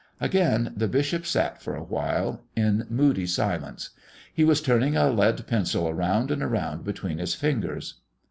Again the bishop sat for a while in moody silence. He was turning a lead pencil around and around between his fingers.